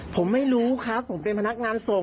ผมไม่รู้ครับผมเป็นพนักงานส่ง